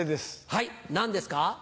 はい何ですか？